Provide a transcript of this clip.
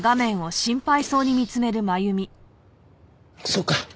そうか。